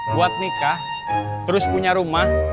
buat nikah terus punya rumah